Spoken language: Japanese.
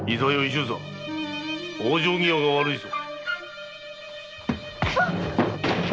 十左往生際が悪いぞ！